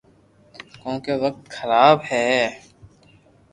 ڪونڪہ وقت خراب ھي